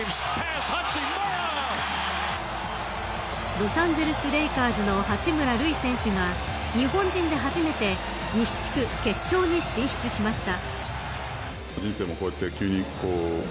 ロサンゼルスレイカーズの八村塁選手が日本人で初めて西地区決勝に進出しました。